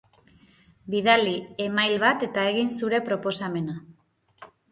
Bidali e-mail bat eta egin zure proposamena.